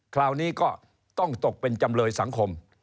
คราวนี้ก็ต้องตกเป็นจำเลยสังคม